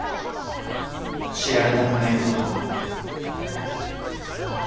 知られたくないことが。